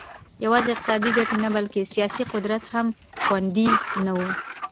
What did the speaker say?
یوازې اقتصادي ګټې نه بلکې سیاسي قدرت هم خوندي نه و